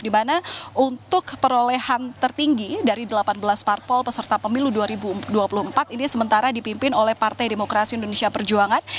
dimana untuk perolehan tertinggi dari delapan belas parpol peserta pemilu dua ribu dua puluh empat ini sementara dipimpin oleh partai demokrasi indonesia perjuangan